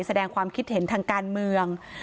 แสดงความคิดเห็นทางการเมือง